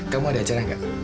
kamu ada acara gak